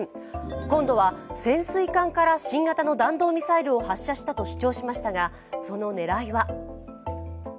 今度は潜水艦から新型の弾道ミサイルを発射したと主張しましたが、その狙いは。